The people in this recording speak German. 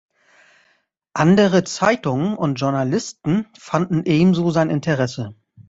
Andere Zeitungen und Journalisten fanden ebenso sein Interesse.